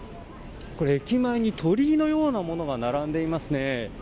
これ、駅前に鳥居のようなものが並んでいますね。